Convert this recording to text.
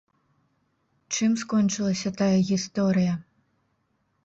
Чым скончылася тая гісторыя?